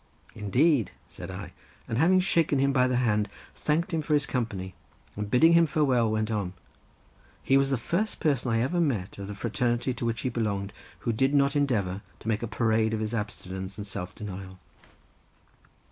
"Indeed," said I, and having shaken him by the hand, thanked him for his company, and bidding him farewell, went on. He was the first person I had ever met of the fraternity to which he belonged, who did not endeavour to make a parade of his abstinence and self denial.